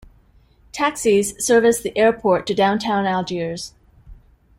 Taxis service the airport to downtown Algiers.